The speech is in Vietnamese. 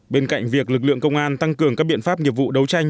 bên cạnh việc lực lượng công an tăng cường các biện pháp nghiệp vụ đấu tranh